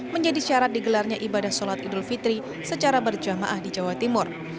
menjadi syarat digelarnya ibadah sholat idul fitri secara berjamaah di jawa timur